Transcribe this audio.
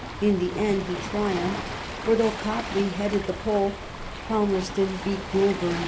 In the end he triumphed, for though Copley headed the poll, Palmerston beat Goulburn by 192.